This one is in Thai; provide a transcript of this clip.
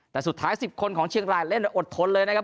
แต่สุดท้าย๑๐คนของเชียงรายเล่นอดทนเลยนะครับ